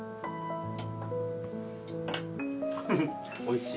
おいしい。